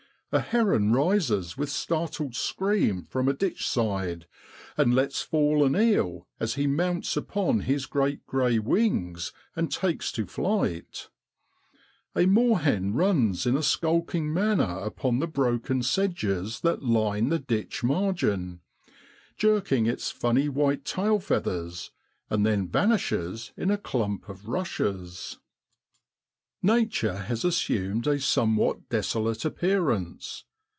A heron rises with startled scream from a ditchside, and lets fall an eel as he mounts upon his great grey wings and takes to flight ; a moorhen runs in a skulking manner upon the broken sedges that line the ditch margin, jerking its funny white tail feathers, and then vanishes in a clump of rushes. Nature has assumed a somewhat desolate appearance.